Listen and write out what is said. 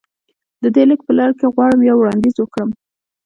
د دې ليک په لړ کې غواړم يو وړانديز وکړم.